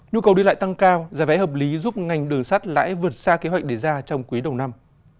nhu cầu đi lại tăng cao giải vẽ hợp lý giúp ngành đường sắt lãi vượt xa kế hoạch để ra trong quý đầu năm